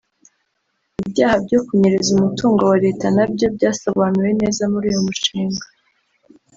Ibyaha byo kunyereza umutungo wa Leta nabyo byasobanuwe neza muri uyu mushinga